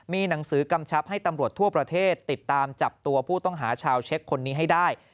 มีหนังสือกำชับให้ตำรวจทั่วประเทศติดตามจับตัวผู้ต้องหาชาวเช็คคนนี้ให้ได้